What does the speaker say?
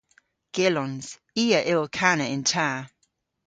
Gyllons. I a yll kana yn ta.